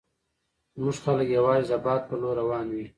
زموږ خلک یوازې د باد په لور روان وي.